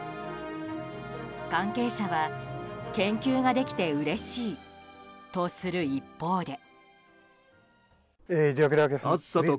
関係者は研究ができてうれしいとする一方で。